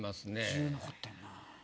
１０残ってんな。